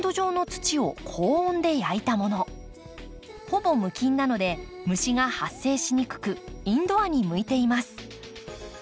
ほぼ無菌なので虫が発生しにくくインドアに向いています。